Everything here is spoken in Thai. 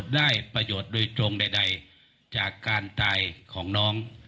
ได้ประโยชน์โดยตรงใดจากการตายของน้อง